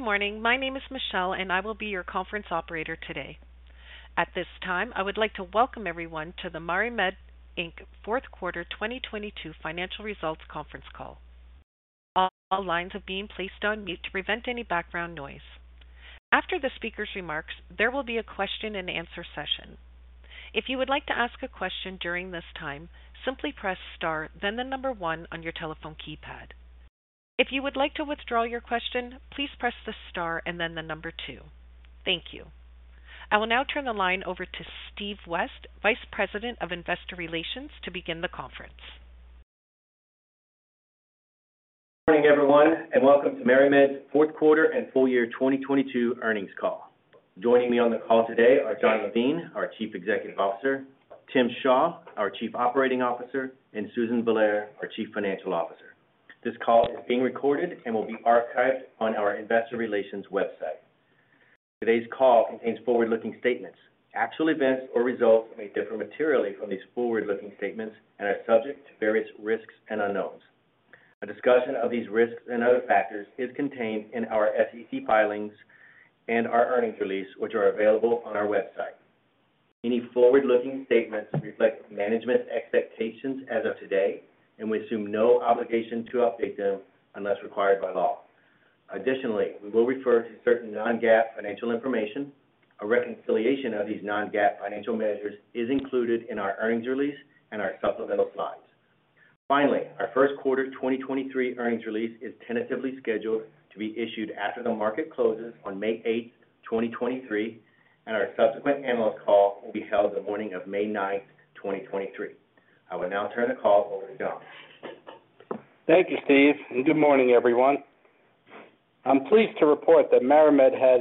Good morning. My name is Michelle, and I will be your conference operator today. At this time, I would like to welcome everyone to the MariMed Inc Fourth Quarter 2022 Financial Results Conference Call. All lines are being placed on mute to prevent any background noise. After the speaker's remarks, there will be a question and answer session. If you would like to ask a question during this time, simply press Star, then the number one on your telephone keypad. If you would like to withdraw your question, please press the star and then the number two. Thank you. I will now turn the line over to Steve West, Vice President of Investor Relations, to begin the conference. Good morning, everyone, welcome to MariMed's fourth quarter and full year 2022 earnings call. Joining me on the call today are Jon Levine, our Chief Executive Officer, Tim Shaw, our Chief Operating Officer, and Susan Villare, our Chief Financial Officer. This call is being recorded and will be archived on our investor relations website. Today's call contains forward-looking statements. Actual events or results may differ materially from these forward-looking statements and are subject to various risks and unknowns. A discussion of these risks and other factors is contained in our SEC filings and our earnings release, which are available on our website. Any forward-looking statements reflect management expectations as of today, we assume no obligation to update them unless required by law. Additionally, we will refer to certain non-GAAP financial information. A reconciliation of these non-GAAP financial measures is included in our earnings release and our supplemental slides. Finally, our first quarter 2023 earnings release is tentatively scheduled to be issued after the market closes on May 8th, 2023, and our subsequent analyst call will be held the morning of May 9, 2023. I will now turn the call over to Jon. Thank you, Steve. Good morning, everyone. I'm pleased to report that MariMed had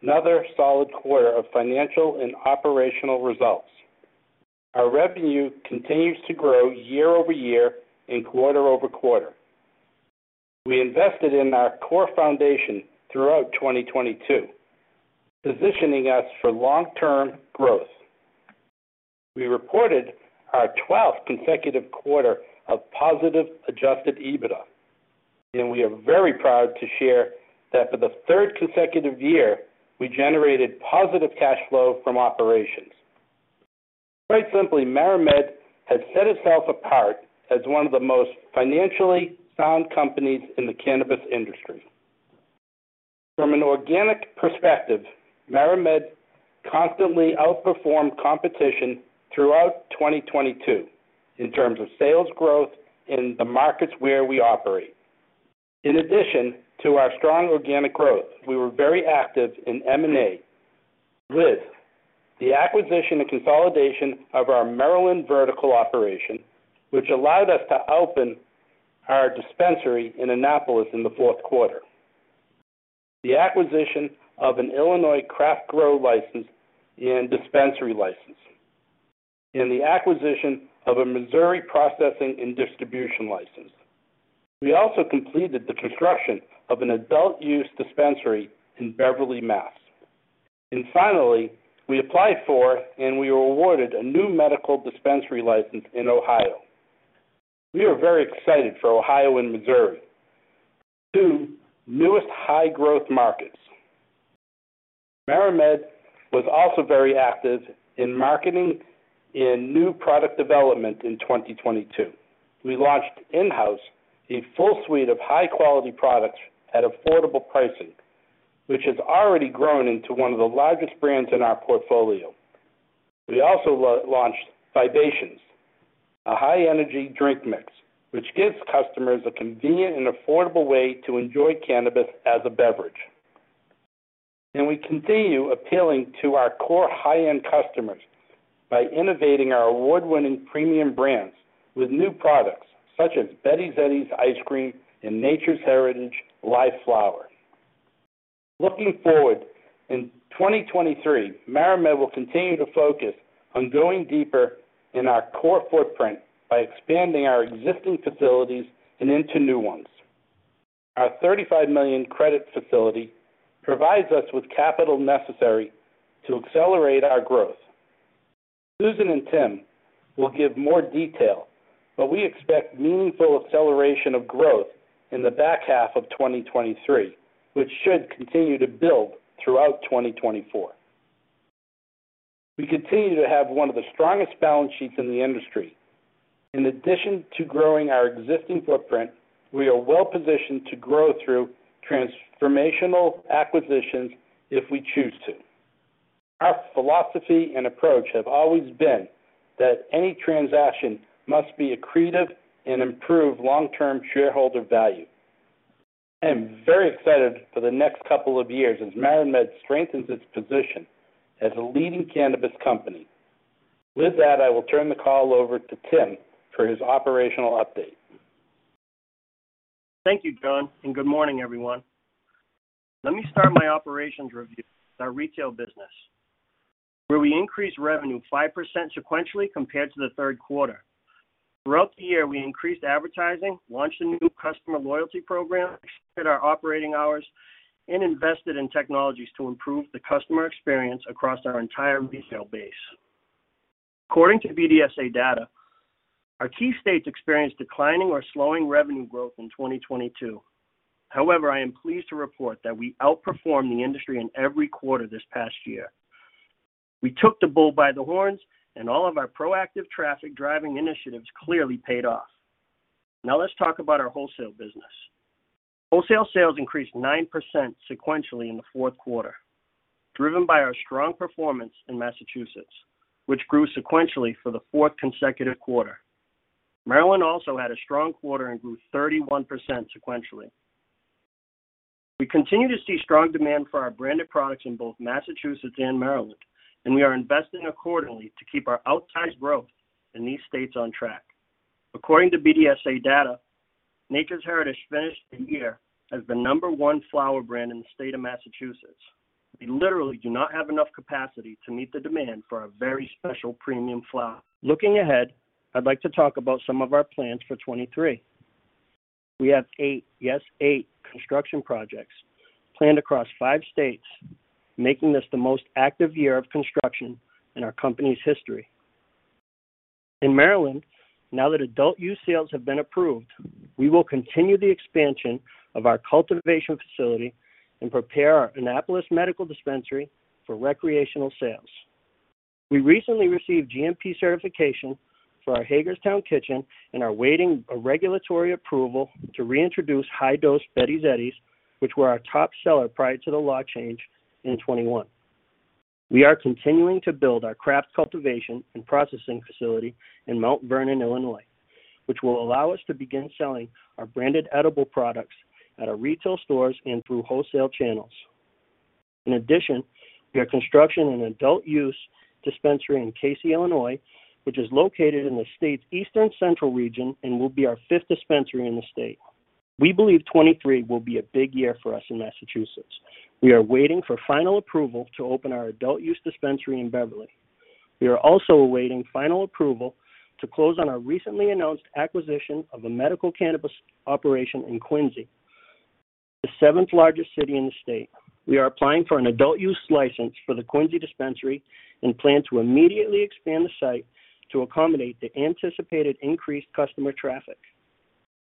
another solid quarter of financial and operational results. Our revenue continues to grow year-over-year and quarter-over-quarter. We invested in our core foundation throughout 2022, positioning us for long-term growth. We reported our twelfth consecutive quarter of positive adjusted EBITDA, and we are very proud to share that for the third consecutive year, we generated positive cash flow from operations. Quite simply, MariMed has set itself apart as one of the most financially sound companies in the cannabis industry. From an organic perspective, MariMed constantly outperformed competition throughout 2022 in terms of sales growth in the markets where we operate. In addition to our strong organic growth, we were very active in M&A with the acquisition and consolidation of our Maryland vertical operation, which allowed us to open our dispensary in Annapolis in the fourth quarter, the acquisition of an Illinois craft grow license and dispensary license, and the acquisition of a Missouri processing and distribution license. We also completed the construction of an adult use dispensary in Beverly, Mass. Finally, we applied for and we were awarded a new medical dispensary license in Ohio. We are very excited for Ohio and Missouri, two newest high-growth markets. MariMed was also very active in marketing in new product development in 2022. We launched InHouse a full suite of high-quality products at affordable pricing, which has already grown into one of the largest brands in our portfolio. We also launched Vibations, a high-energy drink mix which gives customers a convenient and affordable way to enjoy cannabis as a beverage. We continue appealing to our core high-end customers by innovating our award-winning premium brands with new products such as Betty's Eddies Ice Cream and Nature's Heritage LIVE Flower. Looking forward, in 2023, MariMed will continue to focus on going deeper in our core footprint by expanding our existing facilities and into new ones. Our $35 million credit facility provides us with capital necessary to accelerate our growth. Susan and Tim will give more detail, but we expect meaningful acceleration of growth in the back half of 2023, which should continue to build throughout 2024. We continue to have one of the strongest balance sheets in the industry. In addition to growing our existing footprint, we are well-positioned to grow through transformational acquisitions if we choose to. Our philosophy and approach have always been that any transaction must be accretive and improve long-term shareholder value. I am very excited for the next couple of years as MariMed strengthens its position as a leading cannabis company. With that, I will turn the call over to Tim for his operational update. Thank you, Jon. Good morning, everyone. Let me start my operations review with our retail business, where we increased revenue 5% sequentially compared to the third quarter. Throughout the year, we increased advertising, launched a new customer loyalty program, expanded our operating hours, and invested in technologies to improve the customer experience across our entire retail base. According to BDSA data, our key states experienced declining or slowing revenue growth in 2022. I am pleased to report that we outperformed the industry in every quarter this past year. We took the bull by the horns and all of our proactive traffic driving initiatives clearly paid off. Let's talk about our wholesale business. Wholesale sales increased 9% sequentially in the fourth quarter, driven by our strong performance in Massachusetts, which grew sequentially for the fourth consecutive quarter. Maryland also had a strong quarter and grew 31% sequentially. We continue to see strong demand for our branded products in both Massachusetts and Maryland, and we are investing accordingly to keep our outsized growth in these states on track. According to BDSA data, Nature's Heritage finished the year as the number one flower brand in the state of Massachusetts. We literally do not have enough capacity to meet the demand for our very special premium flower. Looking ahead, I'd like to talk about some of our plans for 2023. We have 8, yes, 8 construction projects planned across 5 states, making this the most active year of construction in our company's history. In Maryland, now that adult use sales have been approved, we will continue the expansion of our cultivation facility and prepare our Annapolis medical dispensary for recreational sales. We recently received GMP certification for our Hagerstown kitchen and are waiting a regulatory approval to reintroduce high-dose Betty's Eddies, which were our top seller prior to the law change in 2021. We are continuing to build our craft cultivation and processing facility in Mount Vernon, Illinois, which will allow us to begin selling our branded edible products at our retail stores and through wholesale channels. We are construction an adult use dispensary in Caseyville, Illinois, which is located in the state's eastern central region and will be our 5th dispensary in the state. We believe 2023 will be a big year for us in Massachusetts. We are waiting for final approval to open our adult use dispensary in Beverly. We are also awaiting final approval to close on our recently announced acquisition of a medical cannabis operation in Quincy, the 7th largest city in the state. We are applying for an adult use license for the Quincy dispensary and plan to immediately expand the site to accommodate the anticipated increased customer traffic.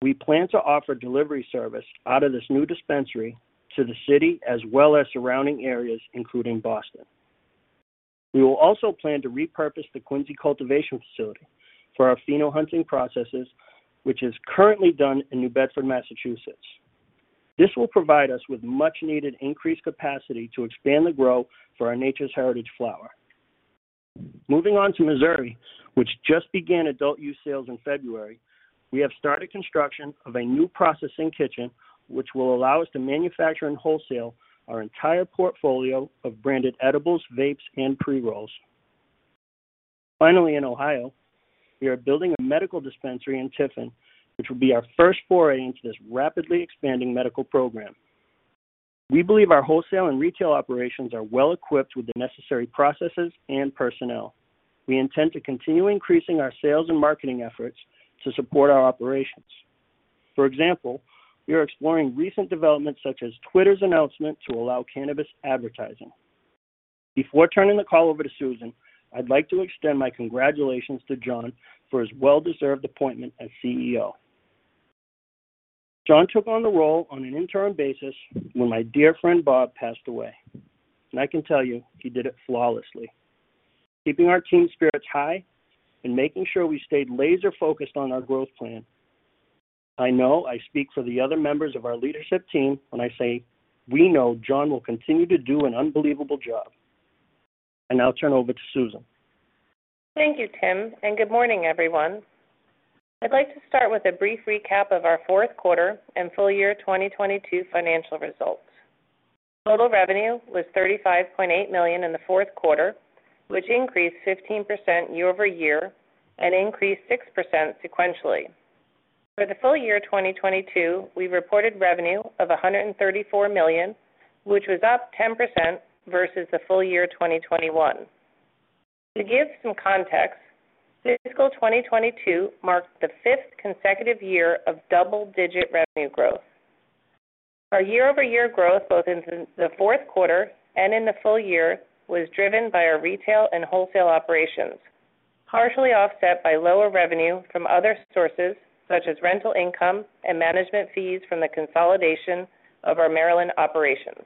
We plan to offer delivery service out of this new dispensary to the city as well as surrounding areas, including Boston. We will also plan to repurpose the Quincy cultivation facility for our pheno hunting processes, which is currently done in New Bedford, Massachusetts. This will provide us with much-needed increased capacity to expand the grow for our Nature's Heritage flower. Moving on to Missouri, which just began adult use sales in February, we have started construction of a new processing kitchen, which will allow us to manufacture and wholesale our entire portfolio of branded edibles, vapes, and pre-rolls. In Ohio, we are building a medical dispensary in Tiffin, which will be our first foray into this rapidly expanding medical program. We believe our wholesale and retail operations are well equipped with the necessary processes and personnel. We intend to continue increasing our sales and marketing efforts to support our operations. For example, we are exploring recent developments such as Twitter's announcement to allow cannabis advertising. Before turning the call over to Susan, I'd like to extend my congratulations to Jon for his well-deserved appointment as CEO. Jon took on the role on an interim basis when my dear friend Bob passed away, and I can tell you he did it flawlessly, keeping our team spirits high and making sure we stayed laser-focused on our growth plan. I know I speak for the other members of our leadership team when I say we know Jon will continue to do an unbelievable job. I now turn over to Susan. Thank you, Tim. Good morning, everyone. I'd like to start with a brief recap of our fourth quarter and full year 2022 financial results. Total revenue was $35.8 million in the fourth quarter, which increased 15% year-over-year and increased 6% sequentially. For the full year 2022, we reported revenue of $134 million, which was up 10% versus the full year 2021. To give some context, fiscal 2022 marked the 5th consecutive year of double-digit revenue growth. Our year-over-year growth, both in the fourth quarter and in the full year, was driven by our retail and wholesale operations, partially offset by lower revenue from other sources such as rental income and management fees from the consolidation of our Maryland operations.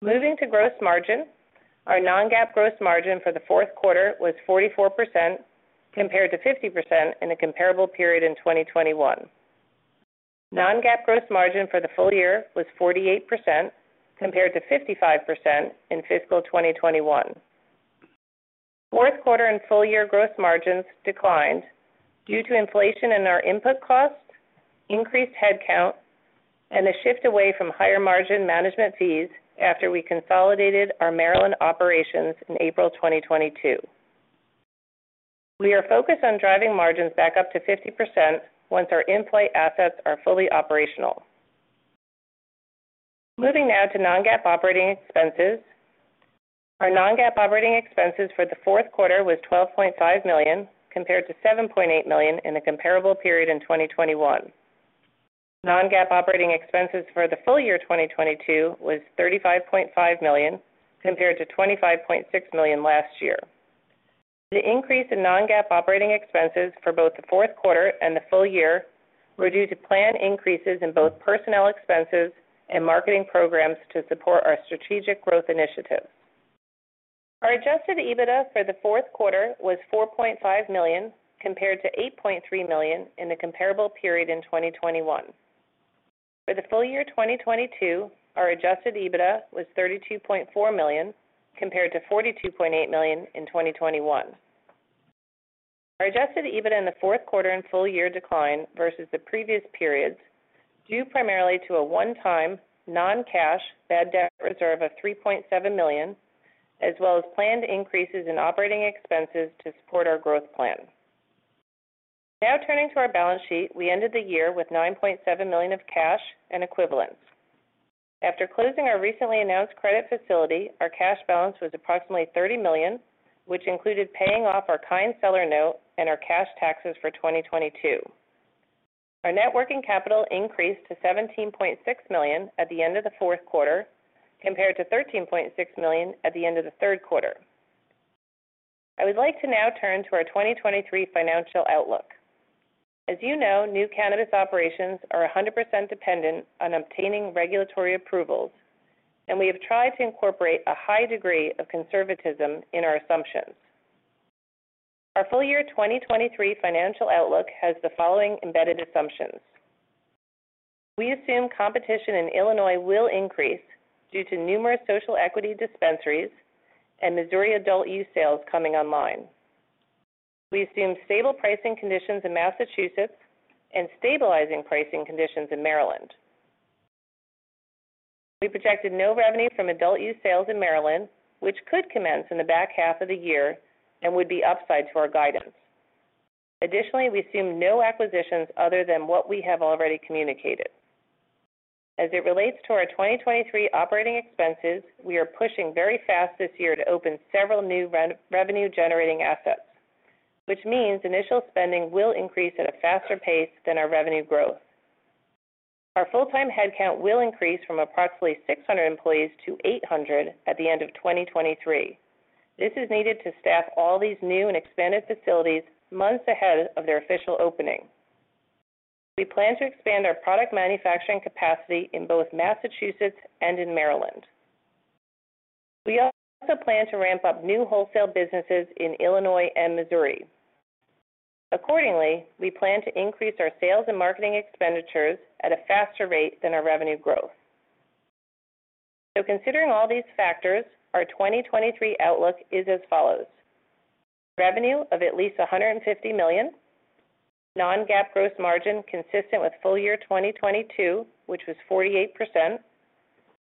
Moving to gross margin. Our non-GAAP gross margin for the fourth quarter was 44% compared to 50% in the comparable period in 2021. Non-GAAP gross margin for the full year was 48% compared to 55% in fiscal 2021. Fourth quarter and full-year gross margins declined due to inflation in our input costs, increased headcount, and a shift away from higher-margin management fees after we consolidated our Maryland operations in April 2022. We are focused on driving margins back up to 50% once our in-flight assets are fully operational. Moving now to non-GAAP operating expenses. Our non-GAAP operating expenses for the fourth quarter was $12.5 million compared to $7.8 million in the comparable period in 2021. Non-GAAP operating expenses for the full year 2022 was $35.5 million compared to $25.6 million last year. The increase in non-GAAP operating expenses for both the fourth quarter and the full year were due to planned increases in both personnel expenses and marketing programs to support our strategic growth initiatives. Our adjusted EBITDA for the fourth quarter was $4.5 million compared to $8.3 million in the comparable period in 2021. For the full year 2022, our adjusted EBITDA was $32.4 million compared to $42.8 million in 2021. Our adjusted EBITDA in the fourth quarter and full year declined versus the previous periods, due primarily to a one-time non-cash bad debt reserve of $3.7 million, as well as planned increases in operating expenses to support our growth plan. Now turning to our balance sheet, we ended the year with $9.7 million of cash and equivalents. After closing our recently announced credit facility, our cash balance was approximately $30 million, which included paying off our Kind seller note and our cash taxes for 2022. Our net working capital increased to $17.6 million at the end of the fourth quarter, compared to $13.6 million at the end of the third quarter. I would like to now turn to our 2023 financial outlook. As you know, new cannabis operations are 100% dependent on obtaining regulatory approvals, and we have tried to incorporate a high degree of conservatism in our assumptions. Our full year 2023 financial outlook has the following embedded assumptions. We assume competition in Illinois will increase due to numerous social equity dispensaries and Missouri adult use sales coming online. We assume stable pricing conditions in Massachusetts and stabilizing pricing conditions in Maryland. We projected no revenue from adult use sales in Maryland, which could commence in the back half of the year and would be upside to our guidance. Additionally, we assume no acquisitions other than what we have already communicated. As it relates to our 2023 operating expenses, we are pushing very fast this year to open several new re-revenue-generating assets, which means initial spending will increase at a faster pace than our revenue growth. Our full-time headcount will increase from approximately 600 employees to 800 at the end of 2023. This is needed to staff all these new and expanded facilities months ahead of their official opening. We plan to expand our product manufacturing capacity in both Massachusetts and in Maryland. We also plan to ramp up new wholesale businesses in Illinois and Missouri. Accordingly, we plan to increase our sales and marketing expenditures at a faster rate than our revenue growth. Considering all these factors, our 2023 outlook is as follows: revenue of at least $150 million, non-GAAP gross margin consistent with full year 2022, which was 48%,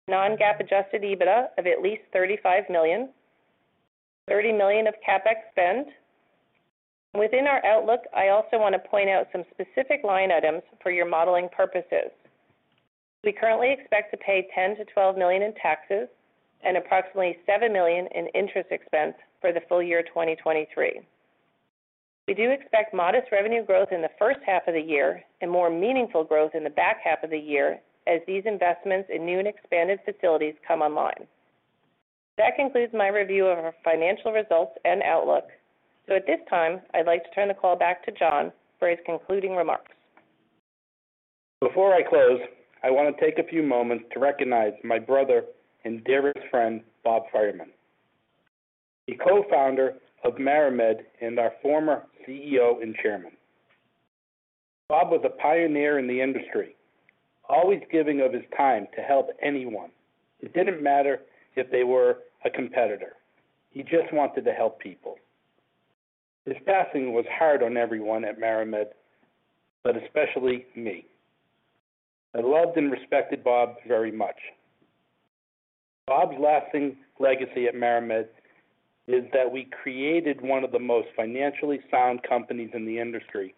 non-GAAP adjusted EBITDA of at least $35 million, $30 million of CapEx spend. Within our outlook, I also want to point out some specific line items for your modeling purposes. We currently expect to pay $10 million-$12 million in taxes and approximately $7 million in interest expense for the full year 2023. We do expect modest revenue growth in the first half of the year and more meaningful growth in the back half of the year as these investments in new and expanded facilities come online. That concludes my review of our financial results and outlook. At this time, I'd like to turn the call back to Jon for his concluding remarks. Before I close, I want to take a few moments to recognize my brother and dearest friend, Bob Fireman, the Co-Founder of MariMed and our former CEO and Chairman. Bob was a pioneer in the industry, always giving of his time to help anyone. It didn't matter if they were a competitor. He just wanted to help people. His passing was hard on everyone at MariMed, especially me. I loved and respected Bob very much. Bob's lasting legacy at MariMed is that we created one of the most financially sound companies in the industry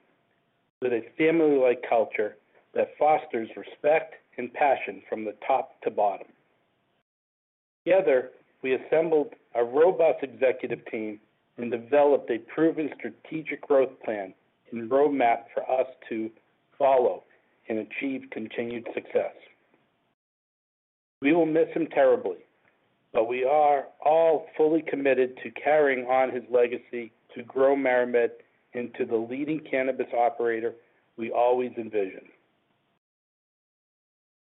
with a family-like culture that fosters respect and passion from the top to bottom. Together, we assembled a robust executive team and developed a proven strategic growth plan and roadmap for us to follow and achieve continued success. We will miss him terribly, but we are all fully committed to carrying on his legacy to grow MariMed into the leading cannabis operator we always envisioned.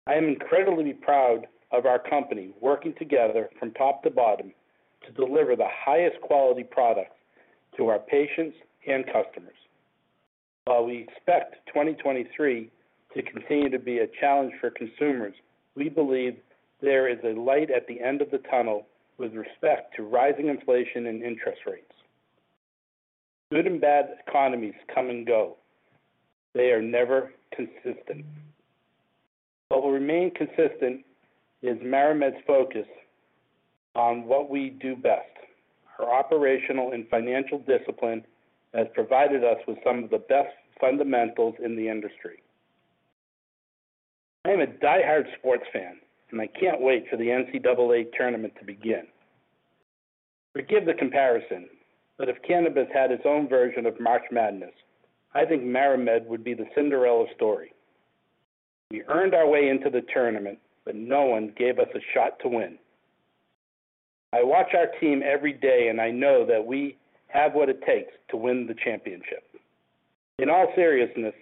I am incredibly proud of our company working together from top to bottom to deliver the highest quality products to our patients and customers. While we expect 2023 to continue to be a challenge for consumers, we believe there is a light at the end of the tunnel with respect to rising inflation and interest rates. Good and bad economies come and go. They are never consistent. What will remain consistent is MariMed's focus on what we do best, our operational and financial discipline that has provided us with some of the best fundamentals in the industry. I am a diehard sports fan. I can't wait for the NCAA tournament to begin. Forgive the comparison, but if cannabis had its own version of March Madness, I think MariMed would be the Cinderella story. We earned our way into the tournament. No one gave us a shot to win. I watch our team every day. I know that we have what it takes to win the championship. In all seriousness,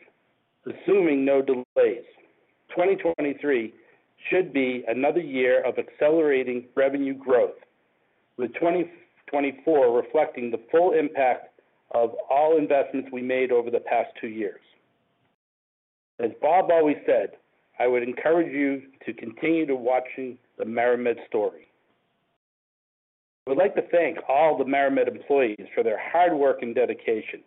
assuming no delays, 2023 should be another year of accelerating revenue growth, with 2024 reflecting the full impact of all investments we made over the past two years. As Bob always said, I would encourage you to continue to watching the MariMed story. I would like to thank all the MariMed employees for their hard work and dedication.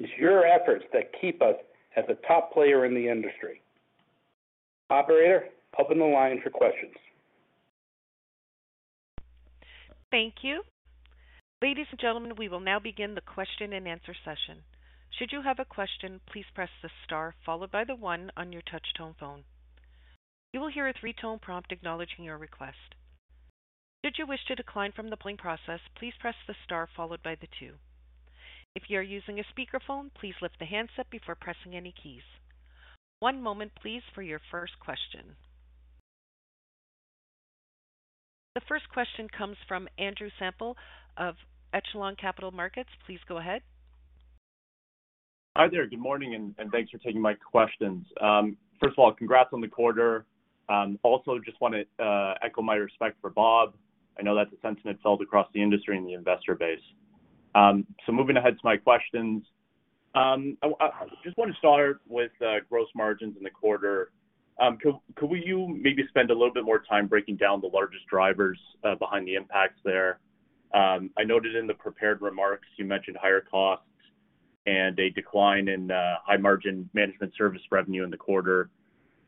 It's your efforts that keep us as a top player in the industry. Operator, open the line for questions. Thank you. Ladies and gentlemen, we will now begin the question-and-answer session. Should you have a question, please press the star followed by the one on your touch tone phone. You will hear a three-tone prompt acknowledging your request. Should you wish to decline from the polling process, please press the star followed by the two. If you are using a speakerphone, please lift the handset before pressing any keys. One moment please for your first question. The first question comes from Andrew Semple of Echelon Capital Markets. Please go ahead. Hi there. Good morning, and thanks for taking my questions. First of all, congrats on the quarter. Also just wanted echo my respect for Bob. I know that's a sentiment felt across the industry and the investor base. Moving ahead to my questions. I just want to start with the gross margins in the quarter. Could you maybe spend a little bit more time breaking down the largest drivers behind the impacts there? I noted in the prepared remarks you mentioned higher costs and a decline in high-margin management service revenue in the quarter.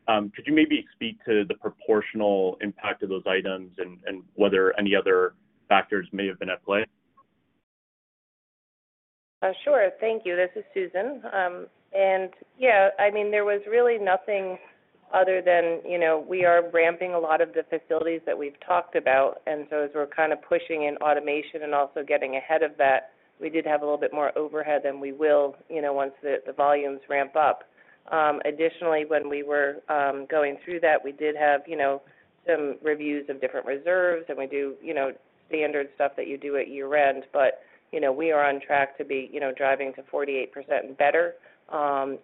Could you maybe speak to the proportional impact of those items and whether any other factors may have been at play? Sure. Thank you. This is Susan. Yeah, I mean, there was really nothing other than, you know, we are ramping a lot of the facilities that we've talked about. As we're kind of pushing in automation and also getting ahead of that, we did have a little bit more overhead, and we will, you know, once the volumes ramp up. Additionally, when we were going through that, we did have, you know, some reviews of different reserves, and we do, you know, standard stuff that you do at year-end. You know, we are on track to be, you know, driving to 48% and better,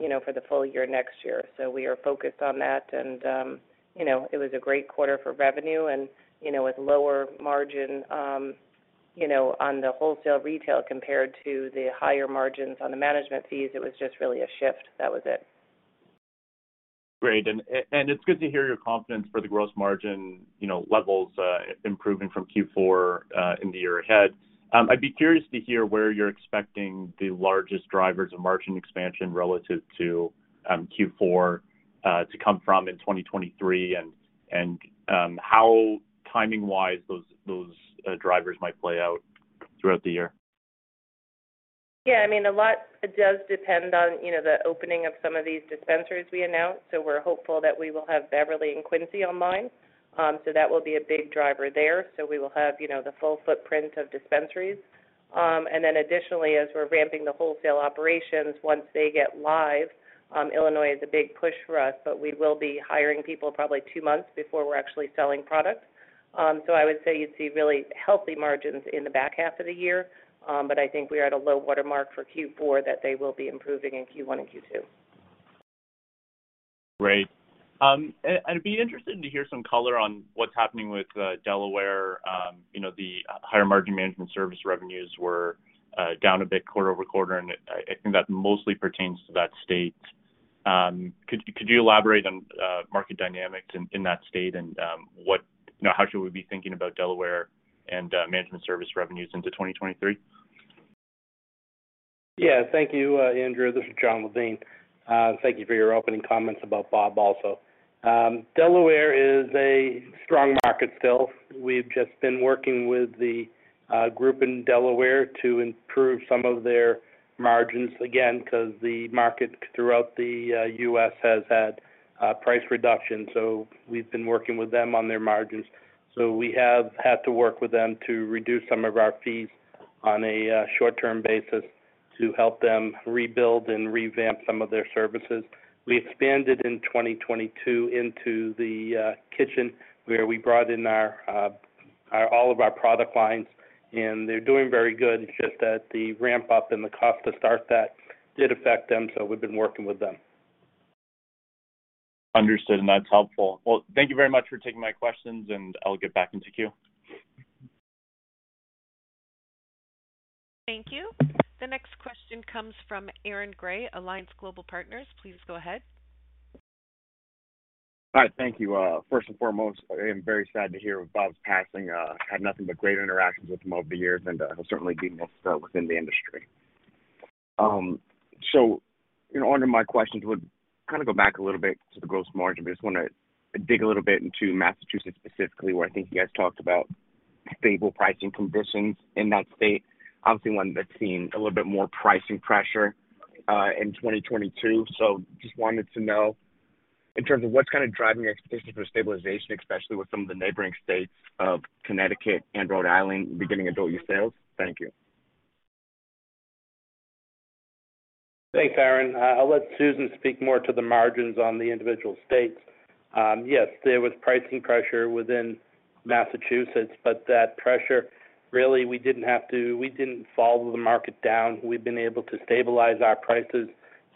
you know, for the full year next year. We are focused on that. You know, it was a great quarter for revenue and, you know, with lower margin, you know, on the wholesale retail compared to the higher margins on the management fees, it was just really a shift. That was it. Great. It's good to hear your confidence for the gross margin, you know, levels, improving from Q4 in the year ahead. I'd be curious to hear where you're expecting the largest drivers of margin expansion relative to Q4 to come from in 2023 and how timing-wise those drivers might play out throughout the year. Yeah, I mean, a lot does depend on, you know, the opening of some of these dispensaries we announced. We're hopeful that we will have Beverly and Quincy online. That will be a big driver there. We will have, you know, the full footprint of dispensaries. Additionally, as we're ramping the wholesale operations once they get live, Illinois is a big push for us, but we will be hiring people probably 2 months before we're actually selling product. I would say you see really healthy margins in the back half of the year. I think we are at a low water mark for Q4 that they will be improving in Q1 and Q2. Great. I'd be interested to hear some color on what's happening with Delaware. You know, the higher margin management service revenues were down a bit quarter-over-quarter, and I think that mostly pertains to that state. Could you elaborate on market dynamics in that state and what, you know, how should we be thinking about Delaware and management service revenues into 2023? Yeah. Thank you, Andrew. This is Jon Levine. Thank you for your opening comments about Bob also. Delaware is a strong market still. We've just been working with the group in Delaware to improve some of their margins again, because the market throughout the U.S. has had price reductions. We've been working with them on their margins. We have had to work with them to reduce some of our fees on a short-term basis to help them rebuild and revamp some of their services. We expanded in 2022 into the kitchen where we brought in all of our product lines, and they're doing very good. It's just that the ramp up and the cost to start that did affect them. We've been working with them. Understood, and that's helpful. Well, thank you very much for taking my questions, and I'll get back into queue. Thank you. The next question comes from Aaron Grey, Alliance Global Partners. Please go ahead. Hi. Thank you. First and foremost, I am very sad to hear of Bob's passing. Had nothing but great interactions with him over the years, and he'll certainly be missed within the industry. In order, my questions would kind of go back a little bit to the gross margin, but just wanna dig a little bit into Massachusetts specifically, where I think you guys talked about stable pricing conditions in that state. Obviously, one that's seen a little bit more pricing pressure in 2022. Just wanted to know. In terms of what's kind of driving your expectations for stabilization, especially with some of the neighboring states of Connecticut and Rhode Island beginning adult use sales. Thank you. Thanks, Aaron. I'll let Susan speak more to the margins on the individual states. Yes, there was pricing pressure within Massachusetts. We didn't follow the market down. We've been able to stabilize our prices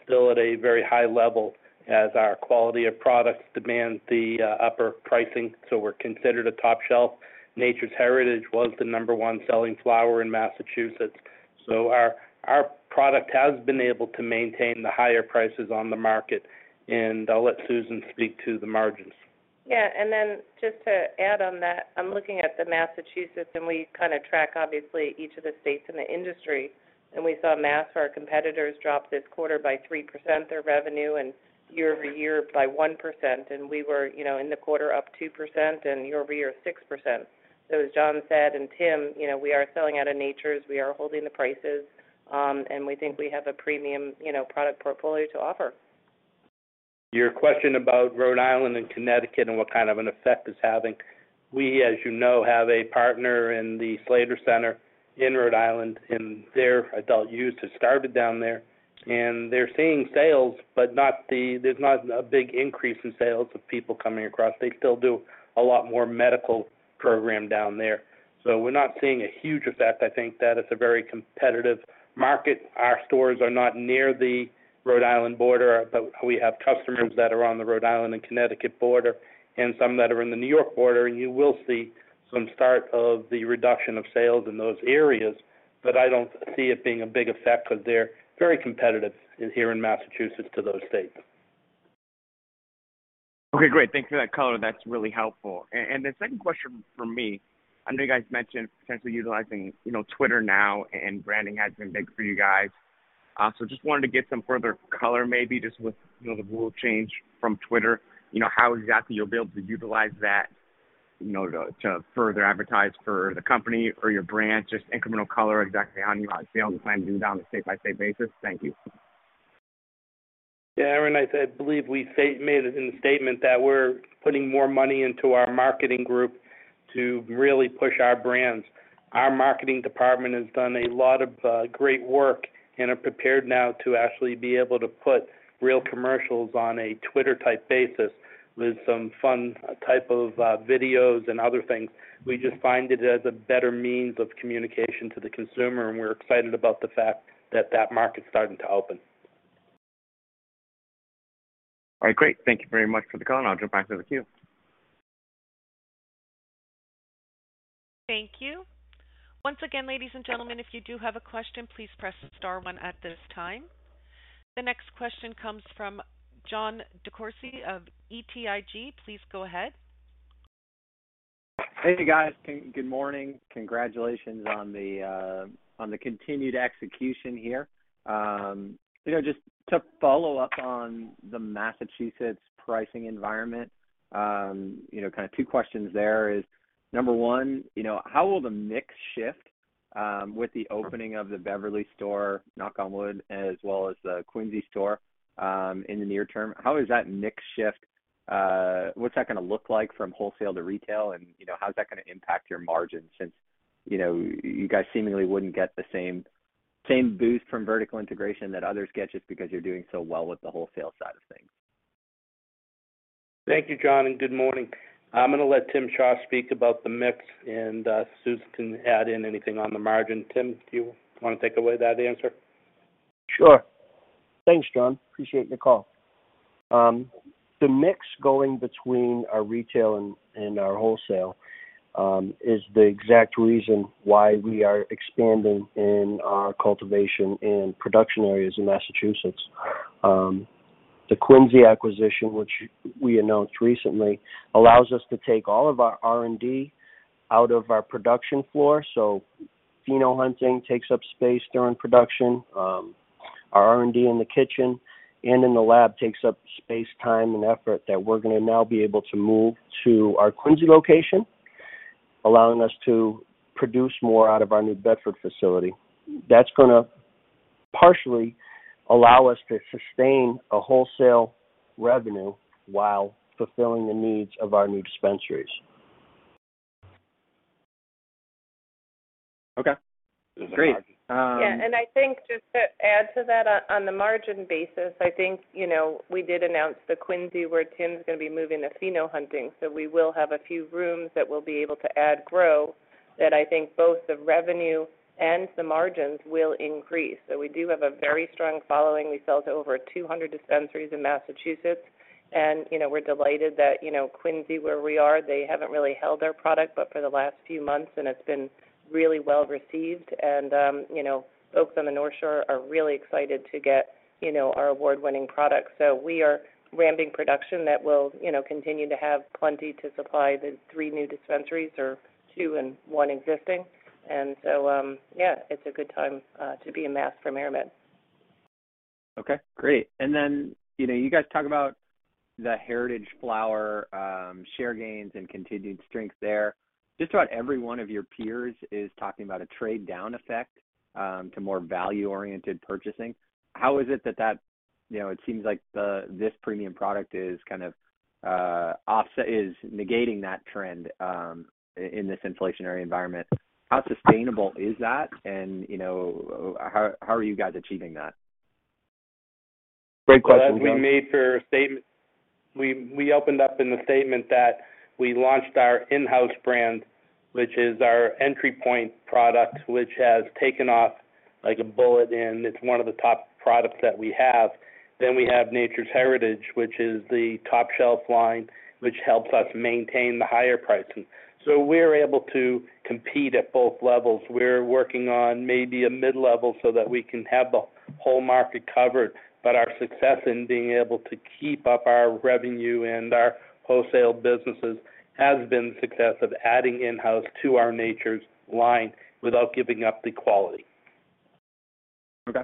still at a very high level as our quality of products demand the upper pricing. We're considered a top shelf. Nature's Heritage was the number one selling flower in Massachusetts. Our product has been able to maintain the higher prices on the market. I'll let Susan speak to the margins. Yeah. Then just to add on that, I'm looking at the Massachusetts, we kind of track obviously each of the states in the industry. We saw Mass, our competitors, drop this quarter by 3% their revenue and year-over-year by 1%. We were, you know, in the quarter up 2% and year-over-year 6%. As Jon said and Tim, you know, we are selling out of Nature's. We are holding the prices, we think we have a premium, you know, product portfolio to offer. Your question about Rhode Island and Connecticut and what kind of an effect it's having, we, as you know, have a partner in the Slater Center in Rhode Island. Their adult use has started down there. They're seeing sales, but there's not a big increase in sales of people coming across. They still do a lot more medical program down there. We're not seeing a huge effect, I think, that it's a very competitive market. Our stores are not near the Rhode Island border. We have customers that are on the Rhode Island and Connecticut border and some that are in the New York border. You will see some start of the reduction of sales in those areas. I don't see it being a big effect because they're very competitive here in Massachusetts to those states. Okay, great. Thanks for that color. That's really helpful. The second question from me, I know you guys mentioned potentially utilizing, you know, Twitter now and branding has been big for you guys. Just wanted to get some further color, maybe just with, you know, the rule change from Twitter. You know, how exactly you'll be able to utilize that, you know, to further advertise for the company or your brand. Just incremental color, exactly how sales you plan to do on a state-by-state basis. Thank you. Yeah, Aaron, I believe we made it in the statement that we're putting more money into our marketing group to really push our brands. Our marketing department has done a lot of great work and are prepared now to actually be able to put real commercials on a Twitter type basis with some fun type of videos and other things. We just find it as a better means of communication to the consumer, and we're excited about the fact that that market is starting to open. All right, great. Thank you very much for the call. I'll drop back to the queue. Thank you. Once again, ladies and gentlemen, if you do have a question, please press star one at this time. The next question comes from Jon DeCourcey of BTIG. Please go ahead. Hey, guys. Good morning. Congratulations on the continued execution here. You know, just to follow up on the Massachusetts pricing environment, you know, kind of two questions there is, number 1, you know, how will the mix shift with the opening of the Beverly store, knock on wood, as well as the Quincy store in the near term? How is that mix shift, what's that gonna look like from wholesale to retail? You know, how's that gonna impact your margin since, you know, you guys seemingly wouldn't get the same boost from vertical integration that others get just because you're doing so well with the wholesale side of things? Thank you, Jon, and good morning. I'm gonna let Tim Shaw speak about the mix, and Susan can add in anything on the margin. Tim, do you wanna take away that answer? Sure. Thanks, Jon. Appreciate the call. The mix going between our retail and our wholesale is the exact reason why we are expanding in our cultivation and production areas in Massachusetts. The Quincy acquisition, which we announced recently, allows us to take all of our R&D out of our production floor. Pheno hunting takes up space during production. Our R&D in the kitchen and in the lab takes up space, time, and effort that we're gonna now be able to move to our Quincy location, allowing us to produce more out of our New Bedford facility. That's gonna partially allow us to sustain a wholesale revenue while fulfilling the needs of our new dispensaries. Okay, great. Yeah. I think just to add to that, on the margin basis, you know, we did announce the Quincy, where Tim Shaw's gonna be moving the pheno hunting. We will have a few rooms that we'll be able to add grow that I think both the revenue and the margins will increase. We do have a very strong following. We sell to over 200 dispensaries in Massachusetts. You know, we're delighted that, you know, Quincy, where we are, they haven't really held their product, but for the last few months, and it's been really well-received. You know, folks on the North Shore are really excited to get, you know, our award-winning products. We are ramping production that will, you know, continue to have plenty to supply the three new dispensaries or two and one existing. Yeah, it's a good time to be in Mass for MariMed. Okay, great. You know, you guys talk about the Heritage flower, share gains and continued strength there. Just about every one of your peers is talking about a trade-down effect to more value-oriented purchasing. How is it that, you know, it seems like this premium product is kind of offset, is negating that trend in this inflationary environment. How sustainable is that? You know, how are you guys achieving that? Great question. Well, as we made for a statement, we opened up in the statement that we launched our InHouse brand, which is our entry point product, which has taken off like a bullet, and it's one of the top products that we have. We have Nature's Heritage, which is the top shelf line, which helps us maintain the higher pricing. We're able to compete at both levels. We're working on maybe a mid-level so that we can have the whole market covered. Our success in being able to keep up our revenue and our wholesale businesses has been success of adding InHouse to our Nature's line without giving up the quality. Okay.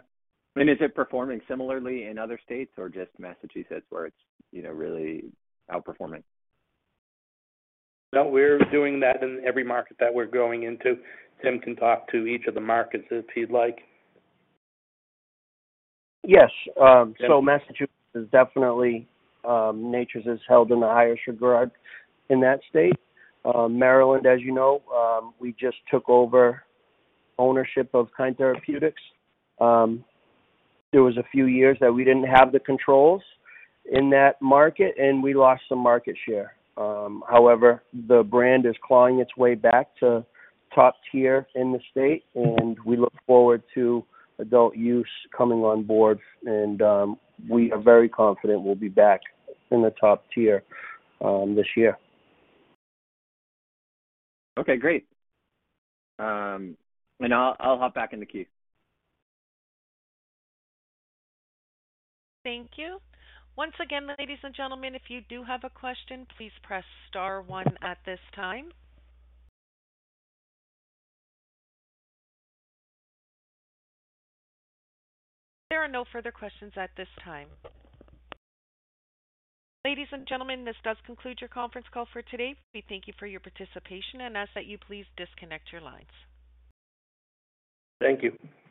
Is it performing similarly in other states or just Massachusetts where it's, you know, really outperforming? No, we're doing that in every market that we're growing into. Tim can talk to each of the markets if he'd like. Massachusetts is definitely, Nature's is held in the highest regard in that state. Maryland, as you know, we just took over ownership of Kind Therapeutics. There was a few years that we didn't have the controls in that market, we lost some market share. However, the brand is clawing its way back to top tier in the state, we look forward to adult use coming on board. We are very confident we'll be back in the top tier this year. Okay, great. I'll hop back in the queue. Thank you. Once again, ladies and gentlemen, if you do have a question, please press star one at this time. There are no further questions at this time. Ladies and gentlemen, this does conclude your conference call for today. We thank you for your participation and ask that you please disconnect your lines. Thank you.